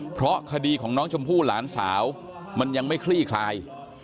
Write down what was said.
เพราะคดีของน้องชมพู่หลานสาวมันยังไม่คลี่คลาย